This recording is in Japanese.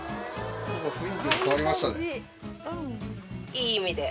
いい意味で。